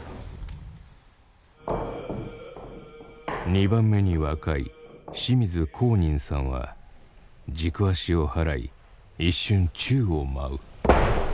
２番目に若い清水公仁さんは軸足を払い一瞬宙を舞う。